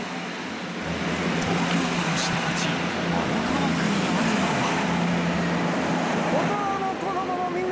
東京都の下町荒川区にあるのは。